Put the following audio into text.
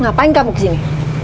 ngapain kamu kesini